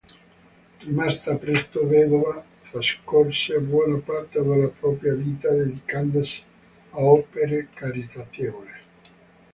Rimasta presto vedova, trascorse buona parte della propria vita dedicandosi a opere caritatevoli.